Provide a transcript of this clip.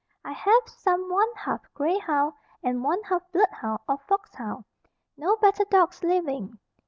I have some one half grey hound and one half bloodhound or fox hound. No better dogs living.